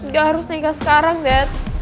gak harus nega sekarang dad